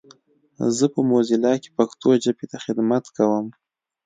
زه په موزیلا کې پښتو ژبې ته خدمت کوم.